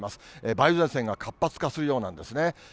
梅雨前線が活発化するようなんですね。